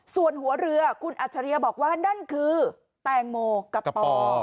ส่วนหัวเรือคุณอัจฉริยะบอกว่านั่นคือแตงโมกับปอ